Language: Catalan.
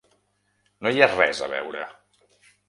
No hi ha res a veure!